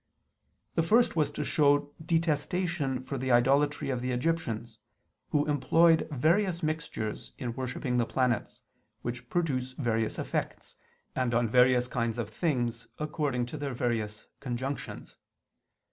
The first was to show detestation for the idolatry of the Egyptians, who employed various mixtures in worshipping the planets, which produce various effects, and on various kinds of things according to their various conjunctions.